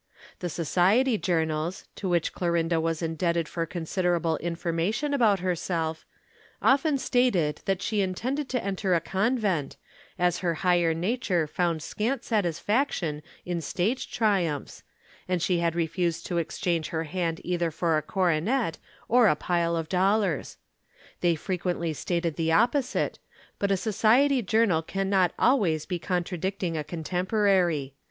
The Society journals, to which Clorinda was indebted for considerable information about herself, often stated that she intended to enter a convent, as her higher nature found scant satisfaction in stage triumphs, and she had refused to exchange her hand either for a coronet or a pile of dollars. They frequently stated the opposite, but a Society journal cannot always be contradicting a contemporary.